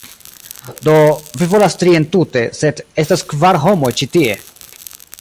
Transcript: "Do, vi volas tri entute, sed estas kvar homoj ĉi tie